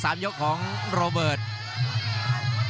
ยกของโรเบิร์ต